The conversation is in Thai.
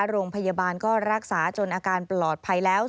โรงพยาบาลก็รักษาจนอาการปลอดภัยแล้ว